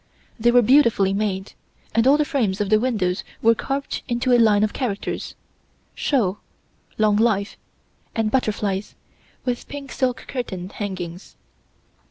They were beautifully made, and the frames of the windows were carved into a line of characters Shou (long life), and butterflies, with pink silk curtain hangings.